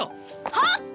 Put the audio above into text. はっ！